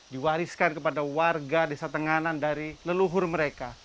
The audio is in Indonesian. diwariskan kepada warga desa tenganan dari leluhur mereka